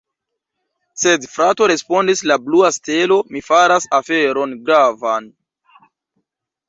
Sed frato, respondis la blua stelo, mi faras aferon gravan!